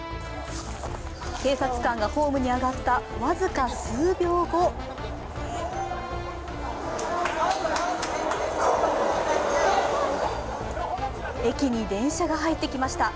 警察官がホームに上がった僅か数秒後駅に電車が入ってきました。